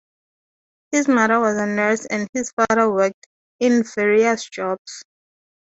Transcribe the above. His mother was a nurse and his father worked in various jobs.